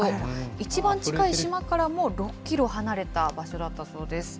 一番近い島からも６キロ離れた場所だったそうです。